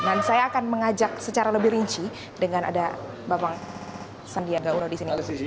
dan saya akan mengajak secara lebih rinci dengan ada bapak sandiaga uno di sini